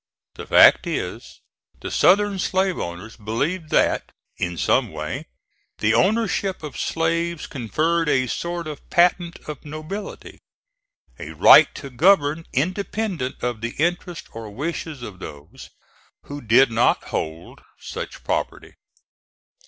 The fact is, the Southern slave owners believed that, in some way, the ownership of slaves conferred a sort of patent of nobility a right to govern independent of the interest or wishes of those who did not hold such property.